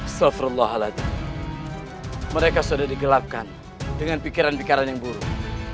mereka sudah digelapkan dengan pikiran pikiran yang buruk